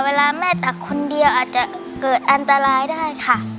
เวลาแม่ตักคนเดียวอาจจะเกิดอันตรายได้ค่ะ